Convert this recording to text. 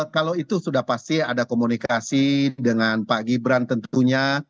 kalau itu sudah pasti ada komunikasi dengan pak gibran tentunya